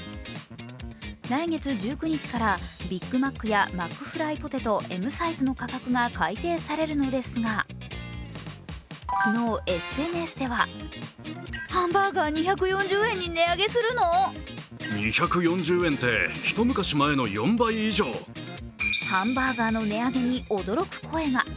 来月１９日からビッグマックやマックフライポテトＭサイズの価格が改定されるのですが、昨日、ＳＮＳではハンバーガーの値上げに驚く声が。